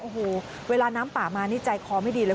โอ้โหเวลาน้ำป่ามานี่ใจคอไม่ดีเลย